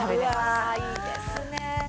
うわいいですね。